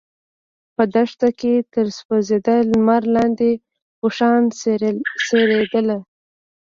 په دښته کې تر سوځنده لمر لاندې اوښان څرېدل.